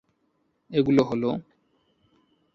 এগুলো হলো-